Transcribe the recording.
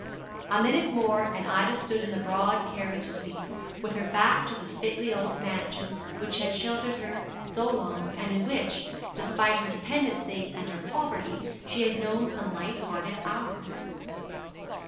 A minute more and Ida stood in the broad carriage sweep, with her back to the stately old mansion which had sheltered her so long, and in which, despite her dependency and her poverty, she had known some light hearted hours.